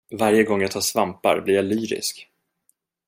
Varje gång jag tar svampar blir jag lyrisk.